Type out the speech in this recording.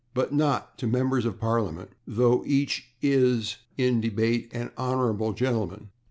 But /not/ to members of Parliament, though each is, in debate, an /hon. gentleman